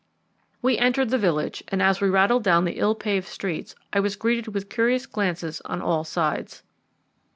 We entered the village, and as we rattled down the ill paved streets I was greeted with curious glances on all sides.